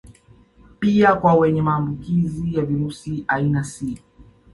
Pia kwa wenye maambukizi ya virusi aina C